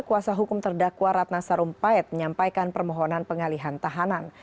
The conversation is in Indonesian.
kuasa hukum terdakwa ratna sarumpait menyampaikan permohonan pengalihan tahanan